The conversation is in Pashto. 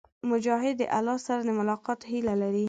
مجاهد د الله سره د ملاقات هيله لري.